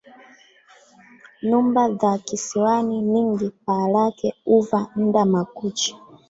Numba dha kisiwani ningi paa lake huva nda makuchi